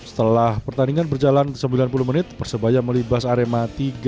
setelah pertandingan berjalan sembilan puluh menit persebaya melibas arema tiga